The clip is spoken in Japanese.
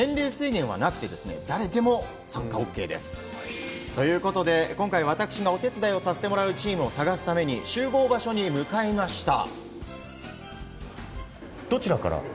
年齢制限はなくてですね、誰でも参加ＯＫです。ということで今回、私がお手伝いさせてもらうチームを探すために集合場所に伺いました。